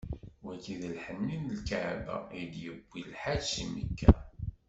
Wagi d lḥenni n Lkeɛba, i d-yewwi lḥaǧ si Mekka.